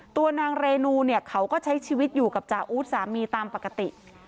ตัวนางเรนูเนี่ยเขาก็ใช้ชีวิตอยู่กับจาอู๊ดสามีตามปกติ